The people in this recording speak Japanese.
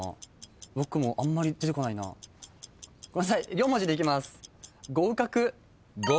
４文字でいきます。